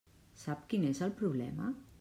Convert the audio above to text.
Sap quin és el problema?